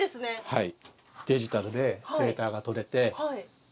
はい。